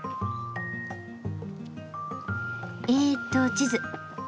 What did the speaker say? えっと地図。